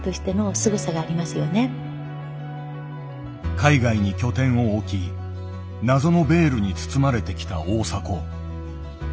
海外に拠点を置き謎のベールに包まれてきた大迫。